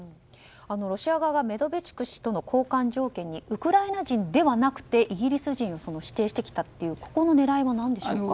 ロシア側がメドベチュク氏との交換条件にウクライナ人ではなくてイギリス人を指定してきたという狙いは何でしょうか？